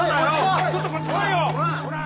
ちょっとこっち来いよ！